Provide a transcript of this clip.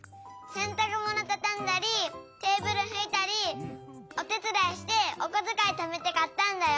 せんたくものたたんだりテーブルふいたりおてつだいしておこづかいためてかったんだよ。